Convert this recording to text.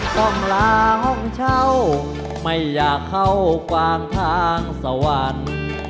ต้องล้างห้องเช่าไม่อยากเข้ากวางทางสวรรค์